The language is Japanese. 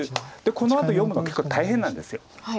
このあとを読むのが結構大変なんです。